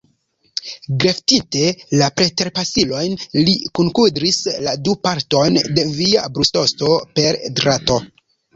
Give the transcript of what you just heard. Greftinte la preterpasilojn, li kunkudris la du partojn de via brustosto per drato.